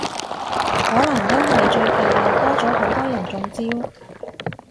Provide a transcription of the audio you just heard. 可能因為最近又多咗好多人中招？